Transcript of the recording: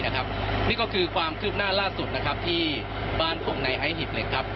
นี่ก็คือความคืบหน้าล่าสุดที่บ้านพวกนายไอ้หิบเหล็ก